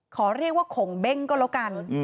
ขอเรียกว่าขงเบ้งก็แล้วกัน